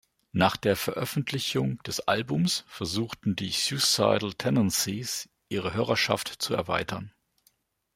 Nach der Veröffentlichung des Albums versuchten die Suicidal Tendencies ihre Hörerschaft zu erweitern.